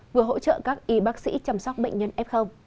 vừa hỗ trợ các y bác sĩ chăm sóc bệnh nhân f